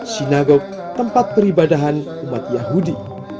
sinagok tempat peribadahan umat yahudi